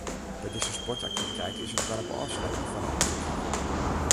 By dizze sportaktiviteit is it doarp ôfsletten foar alle ferkear.